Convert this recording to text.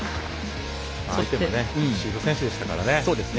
相手もシード選手でしたから。